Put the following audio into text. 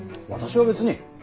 私は別に。